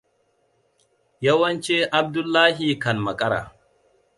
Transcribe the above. Yawanci Abdullahi kan makara.